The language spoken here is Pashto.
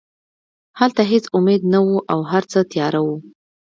هلته هېڅ امید نه و او هرڅه تیاره وو